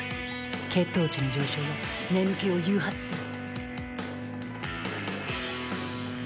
血糖値の上昇は眠気を誘発する。